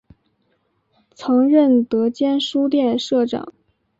曾任德间书店社长。